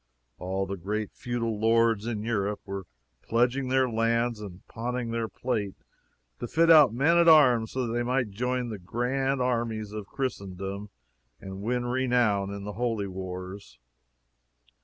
All the great feudal lords in Europe were pledging their lands and pawning their plate to fit out men at arms so that they might join the grand armies of Christendom and win renown in the Holy Wars.